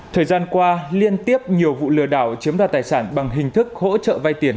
thời gian qua liên tiếp nhiều vụ lừa đảo chiếm đoạt tài sản bằng hình thức hỗ trợ vay tiền